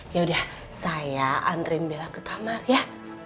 yaudah saya anterin bella ke kamar ya